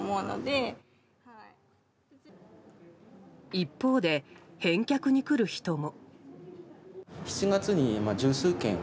一方で、返却に来る人も。